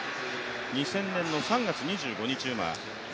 ２０００年の３月１５日生まれ。